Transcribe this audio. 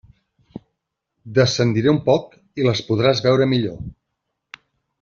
Descendiré un poc i les podràs veure millor.